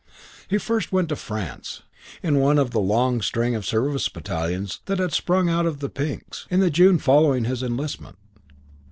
II He first went to France, in one of the long string of Service battalions that had sprung out of the Pinks, in the June following his enlistment.